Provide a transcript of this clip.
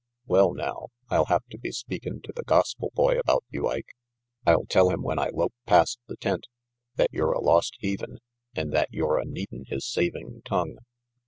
Well now, I'll have to be speakin' to the gospel boy about you, Ike. I'll tell him when I lope past the tent that you're a lost heathen and that you're a needin' his saving tongue.